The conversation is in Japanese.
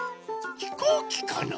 ひこうきかな？